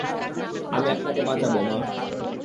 আমি আপনাকে বাঁচাবো, মা!